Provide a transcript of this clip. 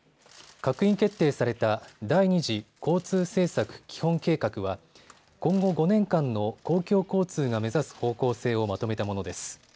閣議決定された第２次交通政策基本計画は今後５年間の公共交通が目指す方向性をまとめたものです。